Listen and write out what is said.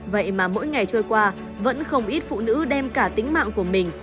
vậy mà mỗi ngày trôi qua vẫn không ít phụ nữ đem cả tính mạng của mình